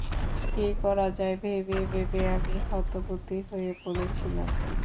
কি করা যায় ভেবে ভেবে আমি হতবুদ্ধি হয়ে পড়েছিলাম।